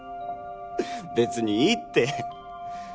別にいいって。